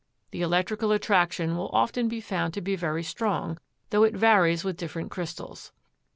The electrical attraction will often be found to be very strong, though it varies with different crystals.